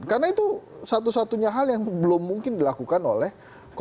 karena itu satu satunya hal yang belum mungkin dilakukan oleh